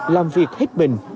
làm việc hết mình